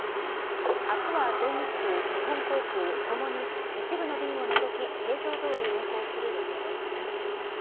明日は全日空、日本航空ともに一部の便を除き平常どおり運航する予定です。